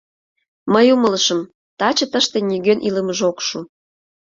Мый умылышым, таче тыште нигӧн илымыже ок шу.